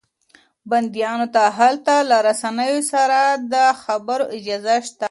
بنديانو ته هلته له رسنيو سره د خبرو اجازه شته.